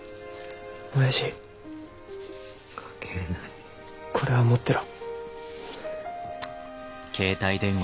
おやじこれは持ってろ。